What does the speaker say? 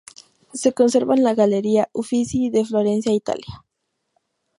Se conserva en la Galería Uffizi de Florencia, Italia.